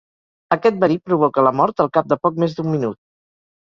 Aquest verí provoca la mort al cap de poc més d'un minut.